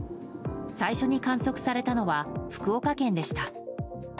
最初に観測されたのは福岡県でした。